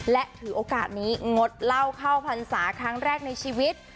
และถือโอกาสนี้งดเหล้าเข้าพรรษาครั้งแรกในชีวิต